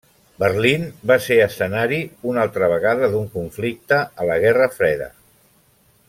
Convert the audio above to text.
Berlín va ser escenari una altra vegada d'un conflicte a la Guerra freda.